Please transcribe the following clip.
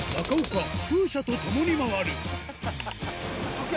ＯＫ！